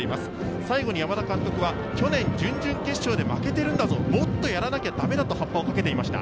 最後に山田監督は去年準々決勝で負けているんだぞ、もっとやらなきゃダメだとはっぱをかけていました。